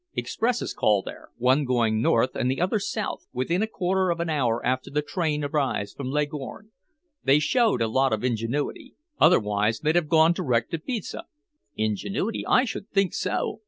Expresses call there, one going north and the other south, within a quarter of an hour after the train arrives from Leghorn. They showed a lot of ingenuity, otherwise they'd have gone direct to Pisa." "Ingenuity! I should think so!